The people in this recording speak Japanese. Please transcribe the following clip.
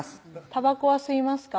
「たばこは吸いますか？」